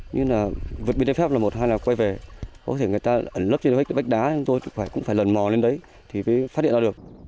nhưng là vượt biên trái phép là một hay là quay về có thể người ta ẩn lớp trên bách đá tôi cũng phải lần mò lên đấy thì phát hiện ra được